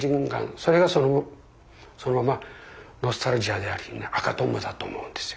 それがそのままノスタルジアであり「赤とんぼ」だと思うんですよ。